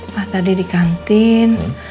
ma tadi di kantin